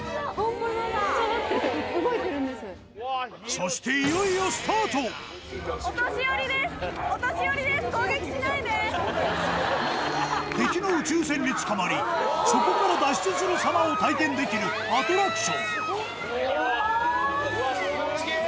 そしていよいよ敵の宇宙船に捕まりそこから脱出するさまを体験できるアトラクションうわぁスゴい！